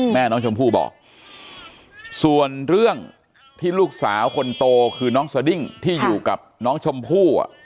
แม่น้องชมพู่บอกส่วนเรื่องที่ลูกสาวคนโตคือน้องสดิ้งที่อยู่กับน้องชมพู่